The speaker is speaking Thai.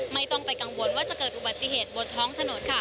ไม่ต้องไปกังวลว่าจะเกิดอุบัติเหตุบนท้องถนน